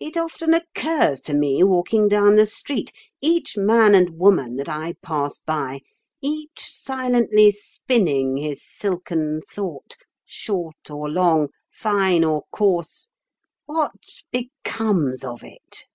It often occurs to me walking down the street. Each man and woman that I pass by, each silently spinning his silken thought, short or long, fine or coarse. What becomes of it?"